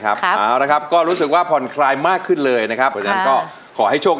ไม่ใช้ไม่ใช้ไม่ใช้ไม่ใช้ไม่ใช้ไม่ใช้ไม่ใช้ไม่ใช้ไม่ใช้